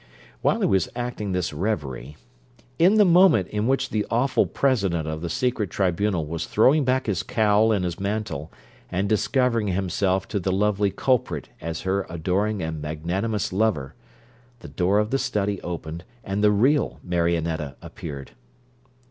While he was acting this reverie in the moment in which the awful president of the secret tribunal was throwing back his cowl and his mantle, and discovering himself to the lovely culprit as her adoring and magnanimous lover, the door of the study opened, and the real Marionetta appeared.